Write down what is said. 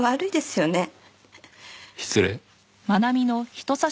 失礼。